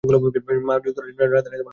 যা যুক্তরাজ্যের রাজধানী লন্ডনে অবস্থিত।